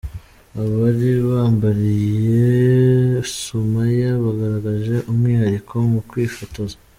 Abari bambariye Sumaya bagaragaje umwihariko mu kwifotoza.